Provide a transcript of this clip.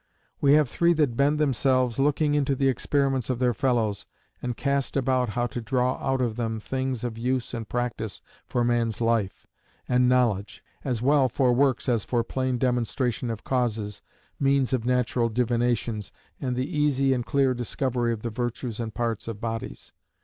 "We have three that bend themselves, looking into the experiments of their fellows, and cast about how to draw out of them things of use and practise for man's life, and knowledge, as well for works as for plain demonstration of causes, means of natural divinations, and the easy and clear discovery of the virtues and parts of bodies.